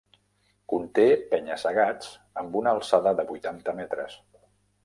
Conté penya-segats amb una alçada de vuitanta metres.